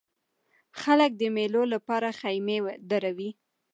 خلک د مېلو له پاره خیمې دروي.